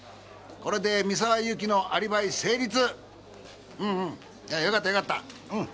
これで三沢友紀のアリバイ成立うんうんよかったよかったうん